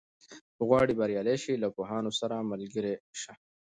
که غواړې بریالی شې، له پوهانو سره ملګری شه.